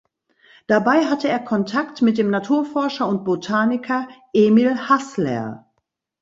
Dabei hatte er Kontakt mit dem Naturforscher und Botaniker Emil Hassler.